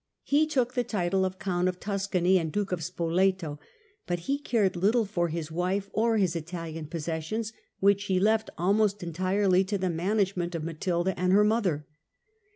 He took the title of count of Tuscany and duke of Spoleto, but lie cared little for his wife or his Italian possessions, which he left almost entirely to the management of Matilda and her mother.